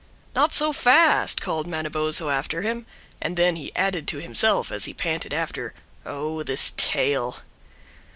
"Not so fast," called Manabozho after him; and then he added to himself as he panted after, "Oh, this tail!"